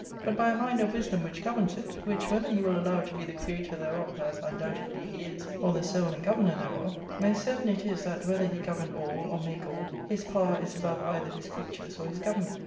285 mind of wisdom which governs it, which whether you will allow to be the creator thereof, as undoubtedly he is, or the soul and governor thereof, most certain it is that, whether he govern all, or make all, his power is above either his creatures or his government.